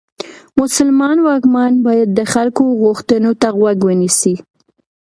مسلمان واکمن باید د خلکو غوښتنو ته غوږ ونیسي.